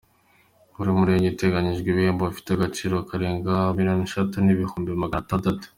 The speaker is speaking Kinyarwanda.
Buri murenge uteganyirijwe ibihembo bifite abagico kagera kuri miliyoni eshatu n’ibihumbi magana atandatu.